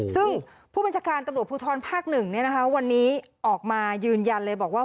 ซึ่งผู้บัญชาการตำรวจภูทรภาค๑วันนี้ออกมายืนยันเลยบอกว่า